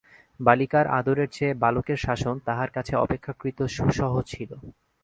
বালিকার আদরের চেয়ে বালকের শাসন তাহার কাছে অপেক্ষাকৃত সুসহ ছিল।